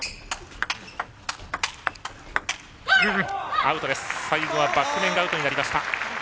アウトです、最後はバック面がアウトになりました。